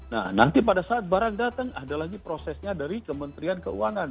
nah nanti pada saat barang datang ada lagi prosesnya dari kementerian keuangan